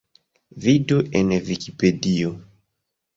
Vidu en Vikipedio.